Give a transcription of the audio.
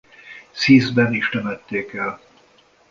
Sziszben is temették el.